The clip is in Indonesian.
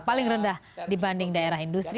paling rendah dibanding daerah industri